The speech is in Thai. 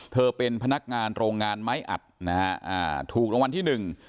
เธอเป็นพนักงานโรงงานไม้อัดนะฮะอ่าถูกรางวัลที่หนึ่ง